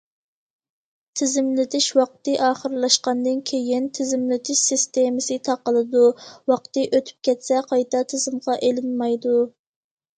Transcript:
تىزىملىتىش ۋاقتى ئاخىرلاشقاندىن كېيىن، تىزىملىتىش سىستېمىسى تاقىلىدۇ، ۋاقتى ئۆتۈپ كەتسە قايتا تىزىمغا ئېلىنمايدۇ.